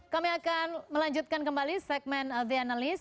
kami akan melanjutkan kembali segmen the analyst